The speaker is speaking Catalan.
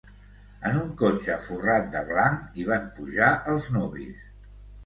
En un cotxe forrat de blanc hi van pujar els nuvis